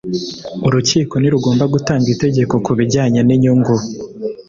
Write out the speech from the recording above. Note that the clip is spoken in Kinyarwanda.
Urukiko ntirugomba gutanga itegeko ku bijyanye n’inyungu